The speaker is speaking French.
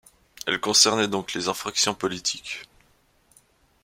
Elle concernait donc les infractions politiques.